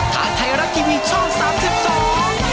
ท่าไทยรักทีวีช่อง๓๒